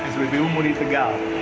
spbu muri tegal